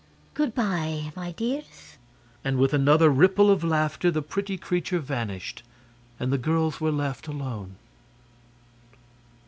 Good by, my dears!" And with another ripple of laughter the pretty creature vanished, and the girls were left alone.